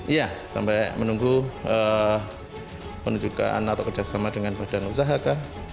ya sampai menunggu penunjukan atau kerjasama dengan badan usaha